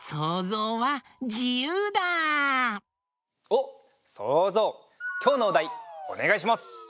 おっそうぞうきょうのおだいおねがいします。